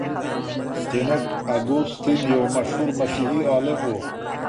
سينټ اګوستين يو مشهور مسيحي عالم و.